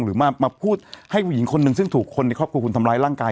หรือมาพูดให้ผู้หญิงคนหนึ่งซึ่งถูกคนในครอบครัวคุณทำร้ายร่างกาย